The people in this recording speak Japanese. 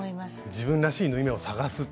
自分らしい縫い目を探すと。